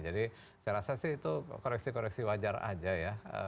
jadi saya rasa sih itu koreksi koreksi wajar aja ya